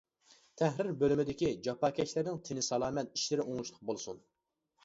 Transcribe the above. تەھرىر بۆلۈمىدىكى جاپاكەشلەرنىڭ تېنى سالامەت، ئىشلىرى ئوڭۇشلۇق بولسۇن!